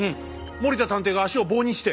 森田探偵が足を棒にして？